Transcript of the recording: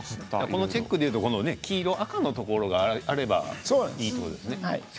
このチェックでいえば黄色と赤のところがあればいいということですか？